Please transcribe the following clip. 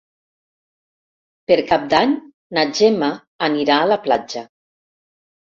Per Cap d'Any na Gemma anirà a la platja.